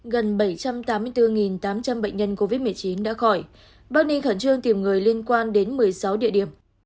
gần bảy trăm tám mươi bốn tám trăm linh bệnh nhân covid một mươi chín đã khỏi bắc ninh khẩn trương tìm người liên quan đến một mươi sáu địa điểm